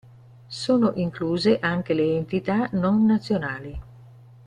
Sono incluse anche le entità non nazionali.